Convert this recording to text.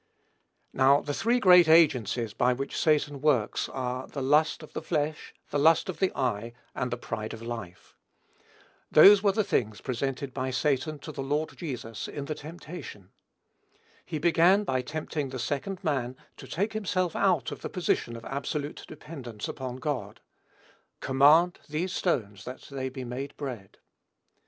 Now, the three great agencies by which Satan works are "the lust of the flesh, the lust of the eye, and the pride of life." Those were the things presented by Satan to the Lord Jesus, in the temptation. He began by tempting the Second Man to take himself out of the position of absolute dependence upon God. "Command these stones that they be made bread."